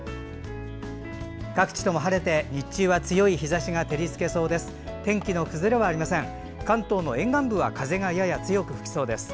各地とも晴れて、日中は強い日ざしが照りつけそうです。